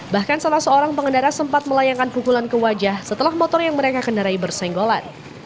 bahkan salah seorang pengendara sempat melayangkan pukulan ke wajah setelah motor yang mereka kendarai bersenggolan